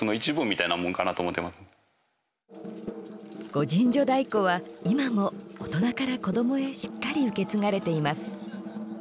御陣乗太鼓は今も大人から子供へしっかり受け継がれています。